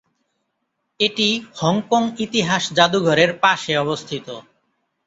এটি হংকং ইতিহাস জাদুঘরের পাশে অবস্থিত।